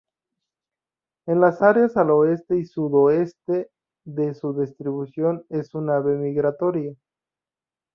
En las áreas al oeste y sudoeste de su distribución es un ave migratoria.